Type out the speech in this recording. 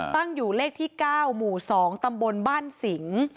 ตั้งอยู่เลขที่๙หมู่๒ตำบลบ้านสิง